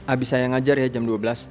abis saya ngajar ya jam dua belas